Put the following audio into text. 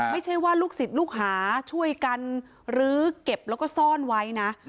ไม่ใช่ว่าลูกศิษย์ลูกหาช่วยกันลื้อเก็บแล้วก็ซ่อนไว้นะ